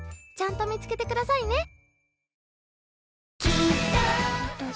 ちゃんと見つけてくださいね。